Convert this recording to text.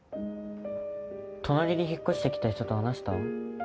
隣に引っ越してきた人と話した？